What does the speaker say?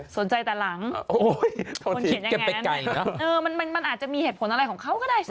แต่หลังคนเขียนอย่างนั้นมันอาจจะมีเหตุผลอะไรของเขาก็ได้สิ